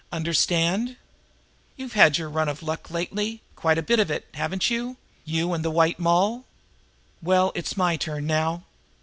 Understand? You've had your run of luck lately, quite a bit of it, haven't you, you and the White Moll? Well, it's my turn now!